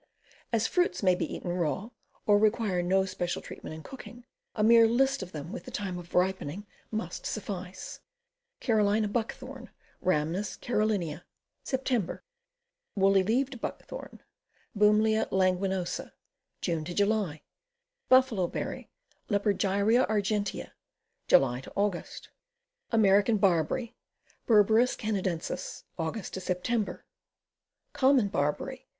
As fruits may be eaten raw, or require no special treatment in cooking, a mere list of them, with the time of ripening, must suffice : Carolina Buckthorn. Rhamnus Caroliniana. Sep. Woolly leaved Buckthorn. Bumelia languinosa. June July. Buffalo berry. Lepargyrcea argentea. July Aug. American Barberry. Berberis Canadensis. Aug. Sep. Common Barberry.